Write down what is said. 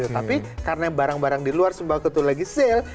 tapi karena barang barang di luar sembako itu lagi sale